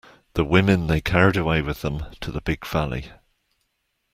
The women they carried away with them to the Big Valley.